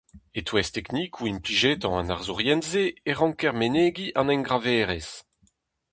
E-touez teknikoù implijetañ an arzourien-se e ranker menegiñ an engraverezh.